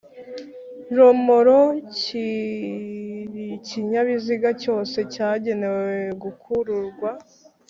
RomorokiIkinyabiziga cyose cyagenewe gukururwa